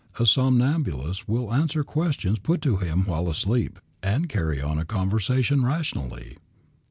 A somnambulist will answer questions put to him while asleep and carry on a conversation rationally.